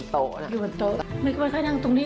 ทำงานอย่างนี้